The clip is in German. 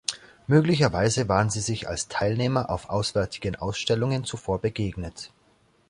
Möglicherweise waren sie sich als Teilnehmer auf auswärtigen Ausstellungen zuvor begegnet.